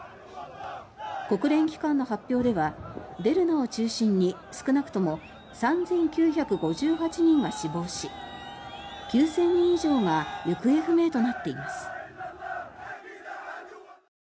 国連機関の発表ではデルナを中心に少なくとも３９５８人が死亡し９０００人以上が行方不明となっています。